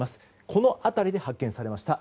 この辺りで発見されました。